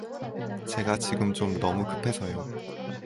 제가 지금 좀 너무 급해서요.